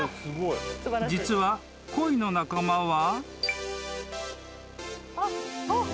［実はコイの仲間は］